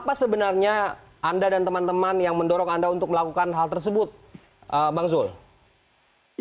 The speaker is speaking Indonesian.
apa sebenarnya anda dan teman teman yang mendorong anda untuk melakukan hal tersebut bang zul